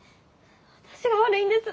私が悪いんです。